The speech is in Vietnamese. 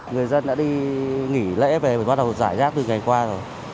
người dân đã đi nghỉ lễ về bắt đầu giải rác từ ngày qua rồi